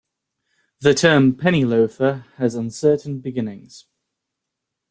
The term penny loafer has uncertain beginnings.